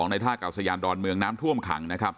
ในท่ากับสยานดอนเมืองน้ำท่วมขัง